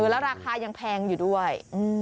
แล้วราคายังแพงอยู่ด้วย